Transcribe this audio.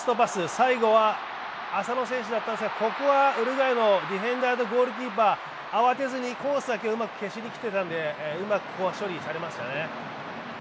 最後は浅野選手だったんですがここはウルグアイのディフェンダーのゴールキーパー、慌てずにコースだけうまく消しに来てたんでうまくここは処理されましたね。